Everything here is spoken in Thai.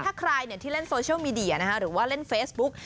ถ้าใครที่เล่นโซเชียลมีเดียหรือว่าเล่นเฟซบุ๊ก